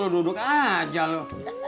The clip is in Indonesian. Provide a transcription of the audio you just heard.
lu duduk aja lu